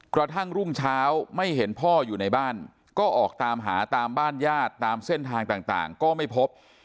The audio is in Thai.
กระทั่งรุ่งเช้าไม่เห็นพ่ออยู่ในบ้านก็ออกตามหาตามบ้านญาติตามเส้นทางต่างก็ไม่พบ